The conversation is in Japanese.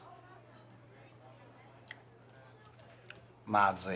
まずい。